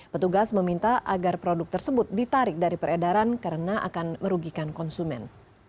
petugas meminta agar produk tersebut ditarik dari peredaran karena akan merugikan konsumen